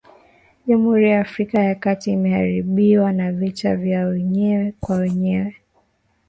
Jamhuri ya Afrika ya kati imeharibiwa na vita vya wenyewe kwa wenyewe